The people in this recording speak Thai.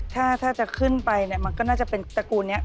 ถ้าจะขึ้นไปเนี่ยมันก็น่าจะเป็นตระกูลนี้